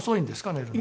寝るの。